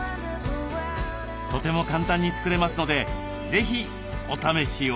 とても簡単に作れますので是非お試しを。